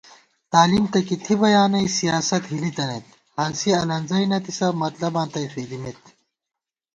تعلیم تہ کی تھِبہ یا نئ سیاست ہِلی تنَئیت * ہانسی الَنزَئی نَتِسہ مطلباں تئ فېدِمېت